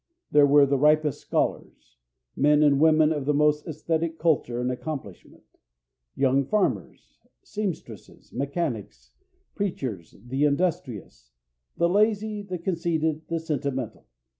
There were the ripest scholars, men and women of the most æsthetic culture and accomplishment, young farmers, seamstresses, mechanics, preachers, the industrious, the lazy, the conceited, the sentimental.